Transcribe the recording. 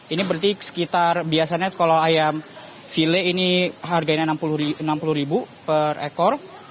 ini berarti sekitar biasanya kalau ayam file ini harganya rp enam puluh per ekor